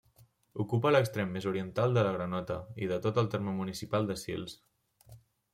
Ocupa l'extrem més oriental de la Granota i de tot el terme municipal de Sils.